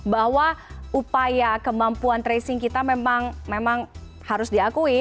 bahwa upaya kemampuan tracing kita memang harus diakui